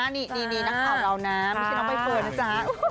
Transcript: นี่นี่นี่นครข่าวเรานะ